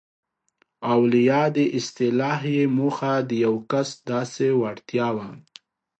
او له یادې اصطلاح یې موخه د یو کس داسې وړتیا وه.